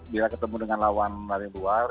bila ketemu dengan lawan dari luar